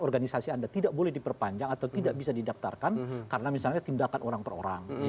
organisasi anda tidak boleh diperpanjang atau tidak bisa didaftarkan karena misalnya tindakan orang per orang